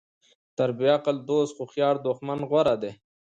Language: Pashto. تر بیعقل دوست هوښیار دښمن غوره ده.